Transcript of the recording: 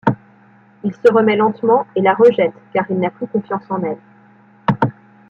Il se remet lentement et la rejette car il n'a plus confiance en elle.